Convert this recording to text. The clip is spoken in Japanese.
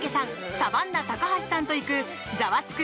サバンナ・高橋さんと行く「ザワつく！